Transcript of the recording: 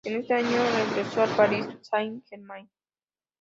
En ese año regresó al Paris Saint-Germain.